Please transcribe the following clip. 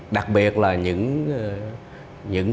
đặc biệt là những